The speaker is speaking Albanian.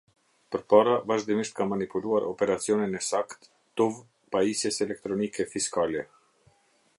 Përpara vazhdimisht ka manipuluar operacionin e saktë tuv pajisjes elektronike fiskale.